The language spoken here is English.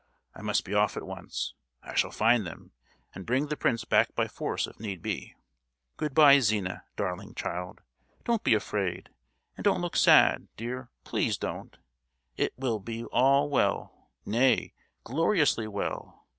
I must be off at once. I shall find them, and bring the prince back by force, if need be. Good bye, Zina, darling child. Don't be afraid, and don't look sad, dear; please don't! It will be all well, nay, gloriously well!